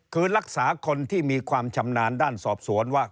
คือรักษาคนที่มีความชำนาญด้านสอบสวนว่า